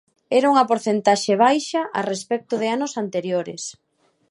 E era unha porcentaxe baixa a respecto de anos anteriores.